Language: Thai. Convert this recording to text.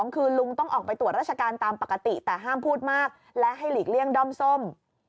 คือลุงต้องออกไปตรวจราชการตามปกติแต่ห้ามพูดมากและให้หลีกเลี่ยงด้อมส้ม